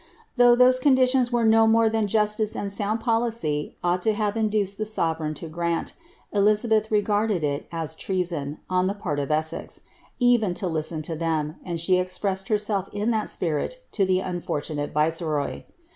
Though those condiiion! were no more than justice and sound policy ought to have induced ite sovereign to grant, Eiizabelh regarded il as treason, on the part of Ewei. even lo lisieji to ihcm, and she expressed herself in that spirit to b« unforiunate viceroy.